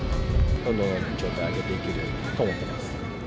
どんどん状態を上げていけるようにと思ってます。